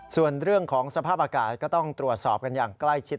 ส่วนเรื่องของสภาพอากาศก็ต้องตรวจสอบกันอย่างใกล้ชิด